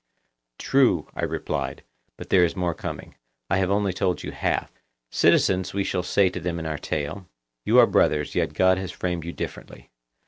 True, I replied, but there is more coming; I have only told you half. Citizens, we shall say to them in our tale, you are brothers, yet God has framed you differently.